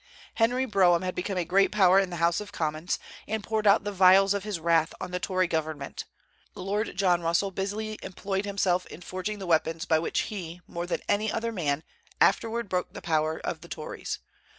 Henry Brougham had become a great power in the House of Commons, and poured out the vials of his wrath on the Tory government. Lord John Russell busily employed himself in forging the weapons by which he, more than any other man, afterward broke the power of the Tories.